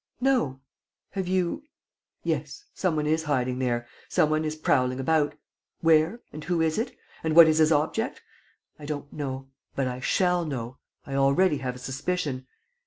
"No. ... Have you ...?" "Yes. Some one is hiding here ... some one is prowling about. ... Where? And who is it? And what is his object? I don't know ... but I shall know. I already have a suspicion.